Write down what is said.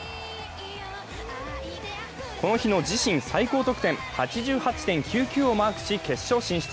この日の自身最高得点８８．９９をマークし、決勝進出。